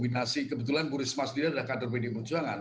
tapi kebetulan bu risma sendiri adalah kader bdi perjuangan